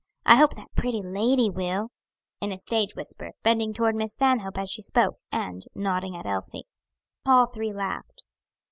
I hope that pretty lady will," in a stage whisper, bending toward Miss Stanhope, as she spoke, and nodding at Elsie. All three laughed.